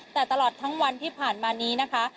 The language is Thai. แต่ตลอดทั้งวันที่ผ่านมานี้นะคะ